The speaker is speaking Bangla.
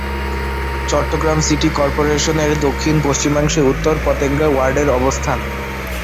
চট্টগ্রাম সিটি কর্পোরেশনের দক্ষিণ-পশ্চিমাংশে উত্তর পতেঙ্গা ওয়ার্ডের অবস্থান।